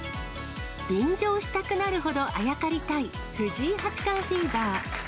便乗したくなるほどあやかりたい、藤井八冠フィーバー。